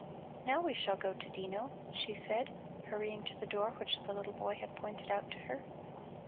"Now we shall go to Dino," she said, hurrying to the door which the little boy had pointed out to her.